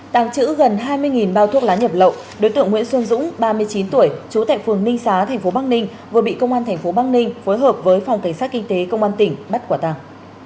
tàng trữ gần hai mươi bao thuốc lá nhập lậu đối tượng nguyễn xuân dũng ba mươi chín tuổi trú tại phường ninh xá tp bắc ninh vừa bị công an tp bắc ninh phối hợp với phòng cảnh sát kinh tế công an tỉnh bắt quả tàng